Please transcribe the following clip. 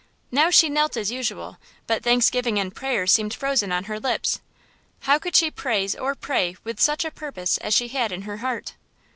Now she knelt as usual, but thanksgiving and prayer seemed frozen on her lips! How could she praise or pray with such a purpose as she had in her heart?